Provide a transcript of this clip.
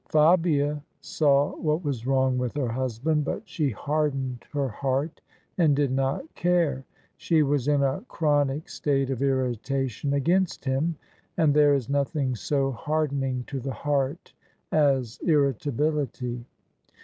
Fabia saw what was wrong with her husband; but she hardened her heart and did not care. She was in a chronic THE SUBJECTION state of irritation against him ; and there is nothing so harcl cning to the heart as irritability.